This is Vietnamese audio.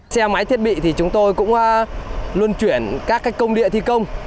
xe máy thiết bị thì chúng tôi cũng luôn chuyển các cách công địa thi công